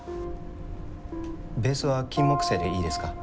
ベースはキンモクセイでいいですか？